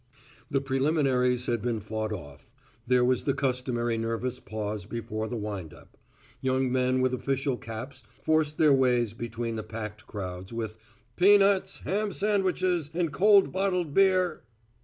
The preliminaries had been fought off; there was the customary nervous pause before the wind up. Young men with official caps forced their ways between the packed crowds with "peanuts, ham sandwiches and cold bottled beer."